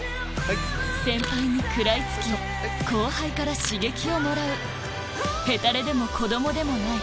先輩に食らいつき後輩から刺激をもらうヘタレでも子どもでもない